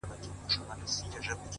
• د ټپې په رزم اوس هغه ده پوه سوه ـ